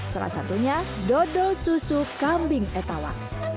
salah satunya dodol susu kambing etawa